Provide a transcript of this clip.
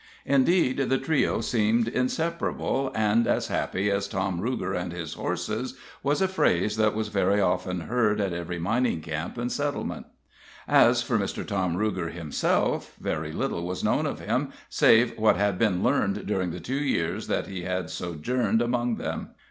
Indeed, the trio seemed inseparable, and "as happy as Tom Ruger and his horses" was a phrase that was very often heard in every mining camp and settlement. As for Mr. Tom Ruger himself, very little was known of him save what had been learned during the two years that he had sojourned among them.